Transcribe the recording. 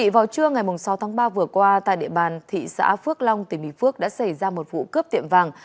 vào trưa ngày sáu tháng ba vừa qua tại địa bàn thị xã phước long tỉnh bình phước đã xảy ra một vụ cướp tiệm vàng